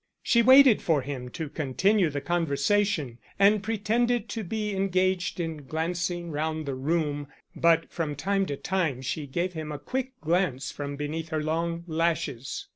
She waited for him to continue the conversation, and pretended to be engaged in glancing round the room, but from time to time she gave him a quick glance from beneath her long lashes.